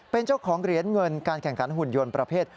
เป็นเจ้าของเหรียญเงินการแข่งขันหุ่นยนต์ประเภท